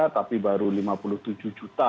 tapi baru lima puluh tujuh juta